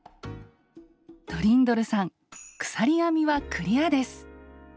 トリンドルさん鎖編みはクリアです！